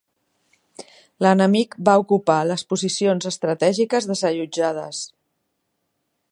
L'enemic va ocupar les posicions estratègiques desallotjades.